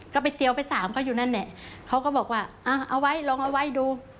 ก็ไปเทียวไป๓เขาอยู่นั่นเนี่ยเขาก็บอกว่าเอาไว้ลองเอาไว้ดู